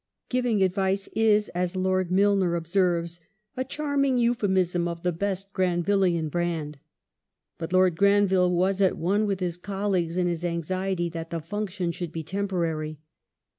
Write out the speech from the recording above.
Giving advice " is, as Lord Milner observes, a " charming euphemism of the best Granvillian brand," ^ but Lord Granville was at one with his colleagues in his anxiety that the function should be temporary.